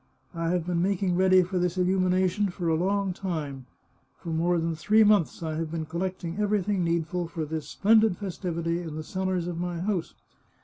" I have been making ready for this illumination for a long time. For more than three months I have been col lecting everything needful for this splendid festivity in the cellars of my house.